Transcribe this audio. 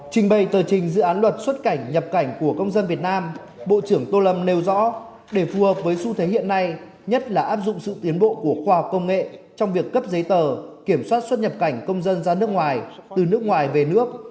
trình bày tờ trình dự án luật xuất cảnh nhập cảnh của công dân việt nam bộ trưởng tô lâm nêu rõ để phù hợp với xu thế hiện nay nhất là áp dụng sự tiến bộ của khoa học công nghệ trong việc cấp giấy tờ kiểm soát xuất nhập cảnh công dân ra nước ngoài từ nước ngoài về nước